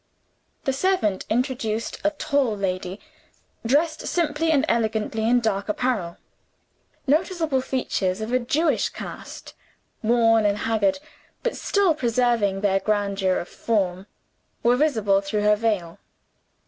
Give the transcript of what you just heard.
The servant introduced a tall lady, dressed simply and elegantly in dark apparel. Noticeable features, of a Jewish cast worn and haggard, but still preserving their grandeur of form were visible through her veil.